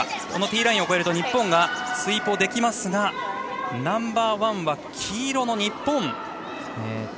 ティーラインを越えると日本がスイープをできますがナンバーワンは黄色の日本。